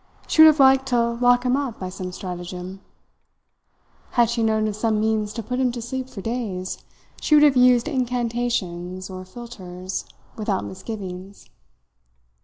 She would have liked to lock him up by some stratagem. Had she known of some means to put him to sleep for days she would have used incantations or philtres without misgivings.